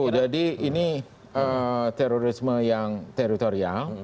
jadi ini terorisme yang teritorial